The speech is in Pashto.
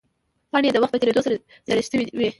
پاڼې یې د وخت په تېرېدو سره زیړې شوې وې.